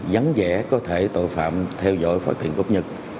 vắng vẻ có thể tội phạm theo dõi phát triển cốt nhật